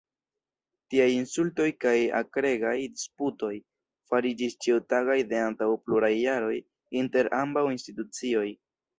Tiaj insultoj kaj akregaj disputoj fariĝis ĉiutagaj de antaŭ pluraj jaroj inter ambaŭ institucioj.